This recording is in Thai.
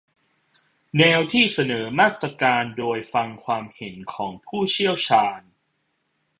แนวที่เสนอมาตรการโดยฟังความเห็นของผู้เชี่ยวชาญ